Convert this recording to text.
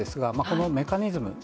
このメカニズムは